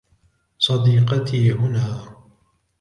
صديقتي هنا.